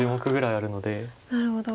なるほど。